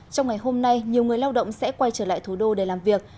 trong ngày hôm nay nhiều người lao động sẽ quay trở lại thủ đô để làm việc